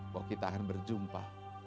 bahwa kita akan berjumpa